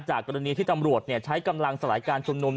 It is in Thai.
กรณีที่ตำรวจใช้กำลังสลายการชุมนุม